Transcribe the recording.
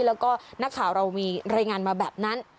แล้วก็นักข่าวเรามีรายงานมาแบบนั้น